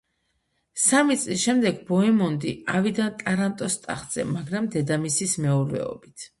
სამი წლის შემდეგ ბოემონდი ავიდა ტარანტოს ტახტზე, მაგრამ დედამისის მეურვეობით.